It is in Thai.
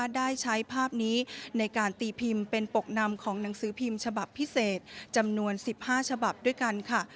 ได้ใช้ภาพนี้ในการตีพิมพ์เป็นปกนำของหนังสือพิมพ์ฉบับพิเศษจำนวน๑๕ฉบับด้วยกันค่ะ